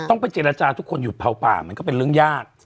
ต้องไปเจรจาทุกคนหยุดเผาป่ามันก็เป็นเรื่องยาก